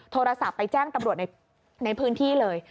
โทรศัพท์ไปแจ้งตำรวจในพื้นที่เลย